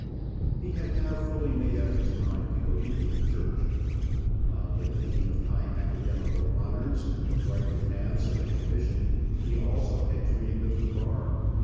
He had now fully made up his mind to go into the church. While yet thinking of high academical honours, and the brighter paths of ambition, he also had dreamed of the bar.